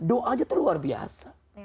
doanya tuh luar biasa